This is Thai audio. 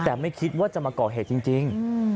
แต่ไม่คิดว่าจะมาก่อเหตุจริง